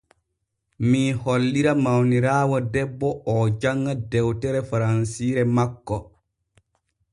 Mii hollira mawniraawo debbo oo janŋa dewtere faransiire makko.